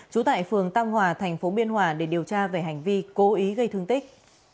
chú tại phường tâm hòa tp biên hòa để điều tra về hành vi cố ý gây thương tích